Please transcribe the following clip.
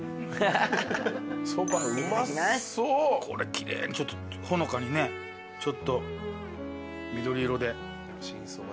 これ奇麗にほのかにねちょっと緑色で。